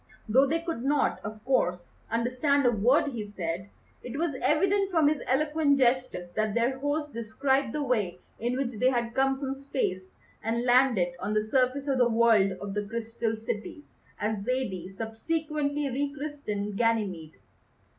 Though they could not, of course, understand a word he said, it was evident from his eloquent gestures that their host described the way in which they had come from Space and landed on the surface of the World of the Crystal Cities, as Zaidie subsequently re christened Ganymede.